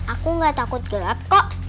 aku gak takut gelap kok